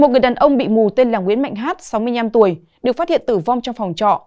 một người đàn ông bị mù tên là nguyễn mạnh hát sáu mươi năm tuổi được phát hiện tử vong trong phòng trọ